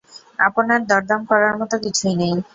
আপনার দরদাম করার মতো কিছুই নেই।